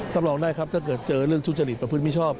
รับรองได้ครับถ้าเกิดเจอเรื่องทุจริตประพฤติมิชอบ